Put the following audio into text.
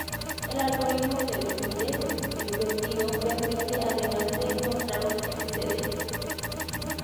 El algoritmo de Euclides extendido permite, además de encontrar un m.c.d.